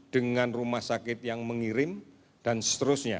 dengan rumah sakit yang mengirim dan seterusnya